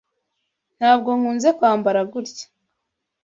Ntabwo nkunze kwambara gutya.